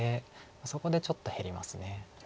そこでちょっと減ります。